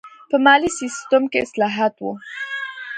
په مالي سیستم کې اصلاحات و.